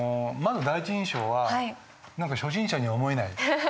まず第一印象は何か初心者には思えない。